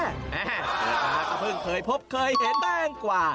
เมื่อกลางก็เพิ่งเคยพบเคยเห็นแตงกว่า